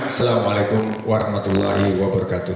assalamualaikum warahmatullahi wabarakatuh